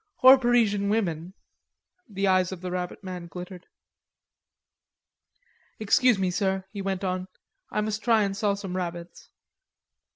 "Or Parisian women." The eyes of the rabbit man glittered. "Excuse me, sir," he went on. "I must try and sell some rabbits."